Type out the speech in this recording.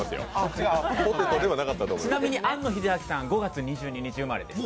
ちなみに庵野秀明さん、５月２２日生まれです。